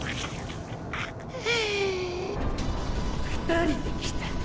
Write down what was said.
２人で来た。